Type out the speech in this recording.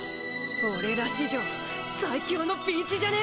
俺ら史上最強のピンチじゃね？